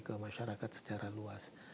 ke masyarakat secara luas